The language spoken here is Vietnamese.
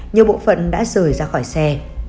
nhiều bộ phận đã rời ra khỏi xe